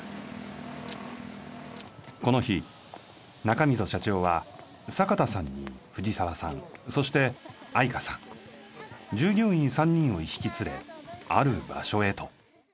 この日中溝社長は坂田さんに藤沢さんそして愛華さん従業員３人を引き連れある場所へと。